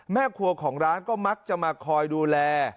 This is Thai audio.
แม่ครัวของร้านก็มักจะมาคอยดูแล